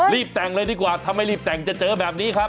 แต่งเลยดีกว่าถ้าไม่รีบแต่งจะเจอแบบนี้ครับ